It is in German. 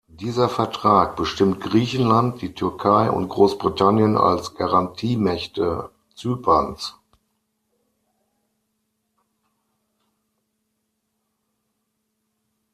Dieser Vertrag bestimmt Griechenland, die Türkei und Großbritannien als Garantiemächte Zyperns.